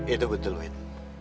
itu betul witt